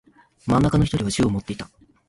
真ん中の一人は銃を持っていた。